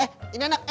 eh ini anak